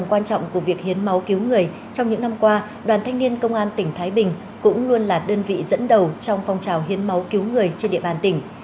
quan trọng của việc hiến máu cứu người trong những năm qua đoàn thanh niên công an tỉnh thái bình cũng luôn là đơn vị dẫn đầu trong phong trào hiến máu cứu người trên địa bàn tỉnh